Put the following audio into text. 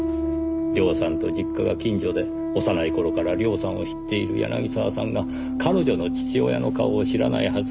涼さんと実家が近所で幼い頃から涼さんを知っている柳沢さんが彼女の父親の顔を知らないはずがない。